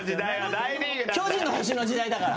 『巨人の星』の時代だから。